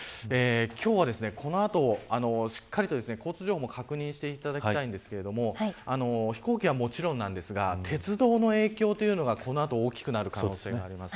今日はこの後しっかりと交通情報も確認してほしいですが飛行機はもちろんですが鉄道の影響というのがこの後、大きくなる可能性が出ます。